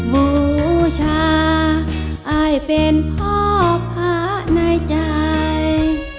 บูชาอายเป็นพ่อพระในใจ